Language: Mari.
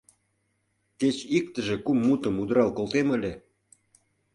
— Кеч иктыже кум мутым удырал колтем ыле!..